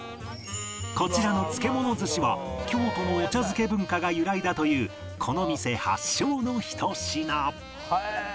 こちらの漬け物寿司は京都のお茶漬け文化が由来だというこの店発祥のひと品